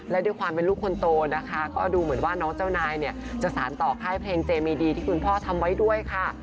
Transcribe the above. และด้วยความเป็นลูกคนโตนะคะก็ดูเหมือนว่าน้องเจ้านายเนี่ยจะสารต่อค่ายเพลงเจมีดีที่คุณพ่อทำไว้ด้วยค่ะ